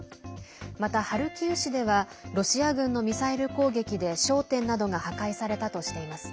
またハルキウ市ではロシア軍のミサイル攻撃で商店などが破壊されたとしています。